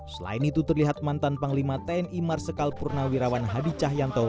selain itu terlihat mantan panglima tni marsikal purnawirawan hadi cahyanto